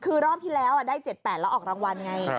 คือรอบที่แล้วได้๗๘แล้วออกรางวัลไง